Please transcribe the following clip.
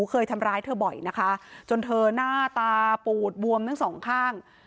เคยทำร้ายเธอบ่อยนะคะจนเธอหน้าตาปูดบวมทั้งสองข้าง